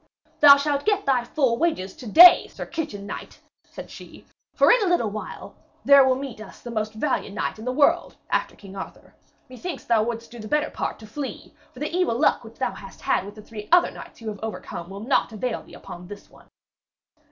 'Thou shalt get thy full wages to day, sir kitchen knight,' said she, 'for in a little while there will meet us the most valiant knight in the world, after King Arthur. Methinks thou wouldst do the better part to flee, for the evil luck which thou hast had with the three knights you have overcome will not avail thee upon this one.'